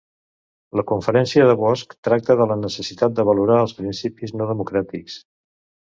La conferència de Bosch tracta de la necessitat de valorar els principis no democràtics